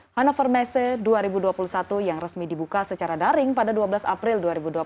hannover messe dua ribu dua puluh satu yang resmi dibuka secara daring pada dua belas april dua ribu dua puluh satu